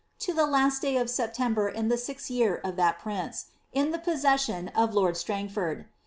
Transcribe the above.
to the last day of September in the 6th year of that prince, in the possession of lord Strangford.